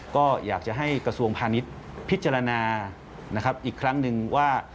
ก็อยากจะให้กระทรวงพาณิชย์พิจารณานะครับอีกครั้งหนึ่งว่า